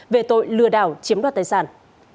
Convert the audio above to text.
về tội lừa đảo chiếm đoạt tài sản